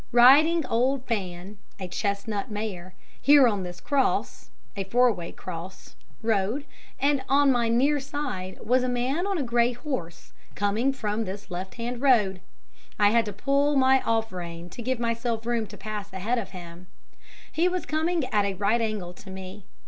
Riding old Fan' (a chestnut mare) 'here on this cross ' (a four way cross) 'road, on my near side was a man on a grey horse, coming from this left hand road. I had to pull my off rein to give myself room to pass ahead of him; he was coming at a right angle to me.